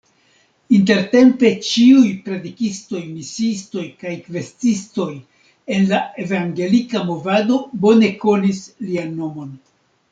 Intertempe ĉiuj predikistoj, misiistoj kaj kvestistoj en la Evangelika movado bone konis lian nomon.